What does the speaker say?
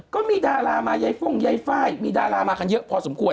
ก็มีดารามายายฟ่งใยไฟล์มีดารามากันเยอะพอสมควร